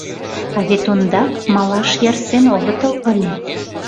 А вет ондак малаш ярсен огытыл ыле.